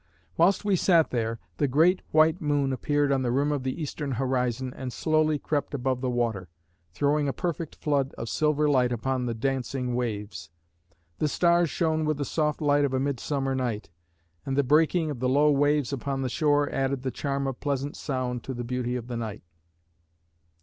Whilst we sat there the great white moon appeared on the rim of the eastern horizon and slowly crept above the water, throwing a perfect flood of silver light upon the dancing waves. The stars shone with the soft light of a midsummer night, and the breaking of the low waves upon the shore added the charm of pleasant sound to the beauty of the night.